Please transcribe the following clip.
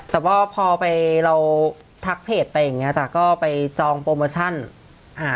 แต่ว่าพอไปเราทักเพจไปอย่างเงี้จ้ะก็ไปจองโปรโมชั่นอ่า